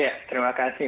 ya terima kasih